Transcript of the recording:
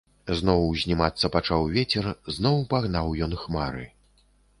Зноў узнімацца пачаў вецер, зноў пагнаў ён хмары.